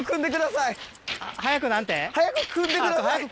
早くくんでください！